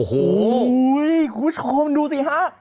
โอ้โหคุณผู้ชมดูสิฮะ